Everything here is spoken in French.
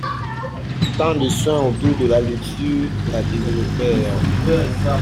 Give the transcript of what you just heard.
Tant de soins autour de la Luxure la développèrent.